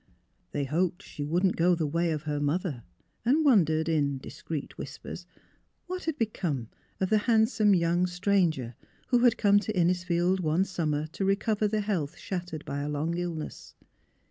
They hoped she wouldn't go the way of her mother, and wondered, in discreet whispers, what had become of the handsome young stranger who had come to Innisfield one summer to recover the health shattered by a long illness.